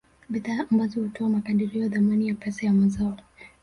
Bidhaa ambazo hutoa makadirio ya thamani ya pesa ya mazao